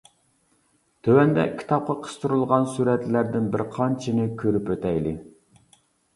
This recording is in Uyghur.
تۆۋەندە كىتابقا قىستۇرۇلغان سۈرەتلەردىن بىر قانچىنى كۆرۈپ ئۆتەيلى!